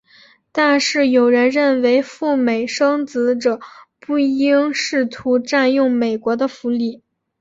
但是有人认为赴美生子者不应试图占用美国的福利。